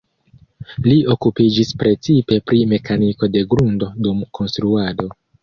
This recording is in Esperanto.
Li okupiĝis precipe pri mekaniko de grundo dum konstruado.